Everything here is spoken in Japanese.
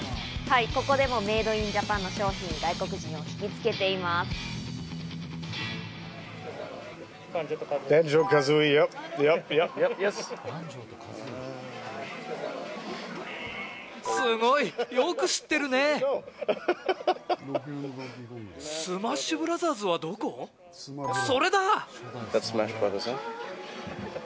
ここでもメイドインジャパンの商品、外国人を引きつけています。